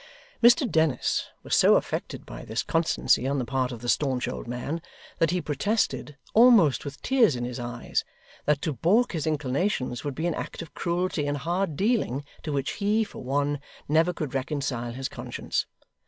Mr Dennis was so affected by this constancy on the part of the staunch old man, that he protested almost with tears in his eyes that to baulk his inclinations would be an act of cruelty and hard dealing to which he, for one, never could reconcile his conscience.